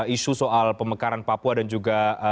isu soal pemekaran papua dan juga